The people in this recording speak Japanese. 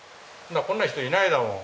こんな人いないんだもん